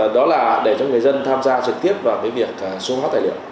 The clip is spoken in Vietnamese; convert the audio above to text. đó là để cho người dân tham gia trực tiếp vào cái việc số hóa tài liệu